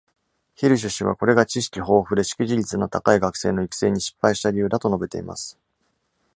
ヒルシュ氏は、これが知識豊富で識字率の高い学生の育成に失敗した理由だと述べています。